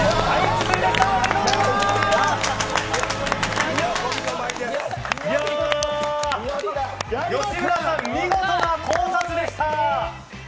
吉村さん、見事な考察でした。